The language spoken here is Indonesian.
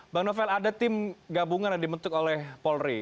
bang novel ada tim gabungan yang dibentuk oleh polri